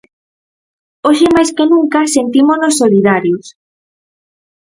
Hoxe máis que nunca sentímonos solidarios.